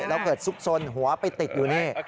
แล้วเกิดซุกซนหัวไปติดอยู่นี่